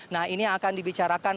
nah ini akan dibicarakan